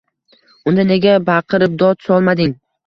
Unda nega baqirib, dod solmading?